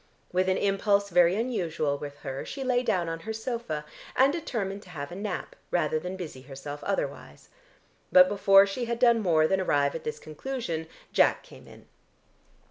With an impulse very unusual with her, she lay down on her sofa, and determined to have a nap rather than busy herself otherwise. But before she had done more than arrive at this conclusion, Jack came in.